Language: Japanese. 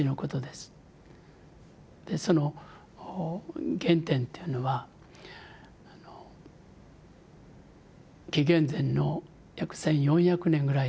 その原点というのは紀元前の約１４００年ぐらいと言っていいと思いますね。